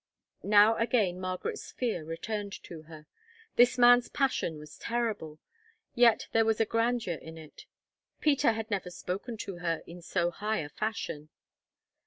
Now again Margaret's fear returned to her. This man's passion was terrible, yet there was a grandeur in it; Peter had never spoken to her in so high a fashion.